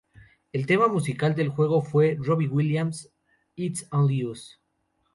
El tema musical del juego fue Robbie Williams, "It's Only Us".